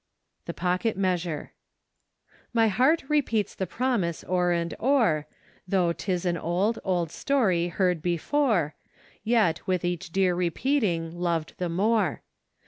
The Pocket Measure. " My heart repeats the promise o'er and o'er. Though 'tis an 4 old , old story' heard before , Yet with each dear repeating loved the more.